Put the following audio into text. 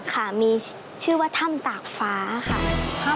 ค่ะมีชื่อว่าถ้ำตากฟ้าค่ะ